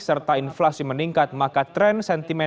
serta inflasi meningkat maka tren sentimen